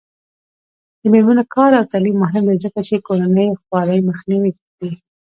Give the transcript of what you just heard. د میرمنو کار او تعلیم مهم دی ځکه چې کورنۍ خوارۍ مخنیوی دی.